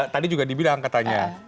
tadi juga dibilang katanya